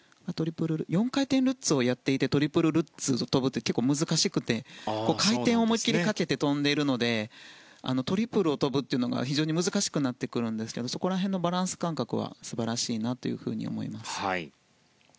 ４回転ルッツをやっていてトリプルルッツを跳ぶって結構、難しくて回転を思いきりかけて跳んでいるのでトリプルを跳ぶというのは非常に難しくなってくるんですがそこら辺のバランス感覚は素晴らしいなと思います。